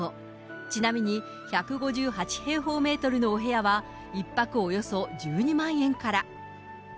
ちなみに１５８平方メートルのお部屋は、１泊およそ１２万円から。